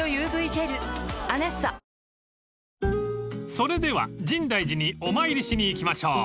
［それでは深大寺にお参りしに行きましょう］